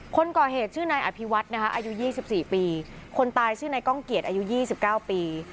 คนก่อเหตุชื่อในอภิวัตนะคะอายุยี่สิบสี่ปีคนตายชื่อในกล้องเกียจอายุยี่สิบเก้าปี